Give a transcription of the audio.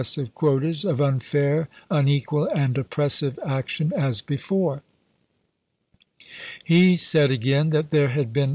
sive quotas, of unfair, unequal, and oppressive ac tion, as before. He said again that there had been 1864.